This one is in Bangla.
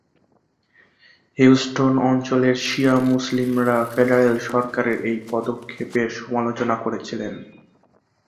হিউস্টন অঞ্চলের শিয়া মুসলিমরা ফেডারেল সরকারের এই পদক্ষেপের সমালোচনা করেছিলেন।